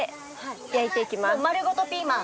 丸ごとピーマン。